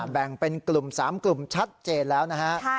แบ่งเป็นกลุ่ม๓กลุ่มชัดเจนแล้วนะฮะ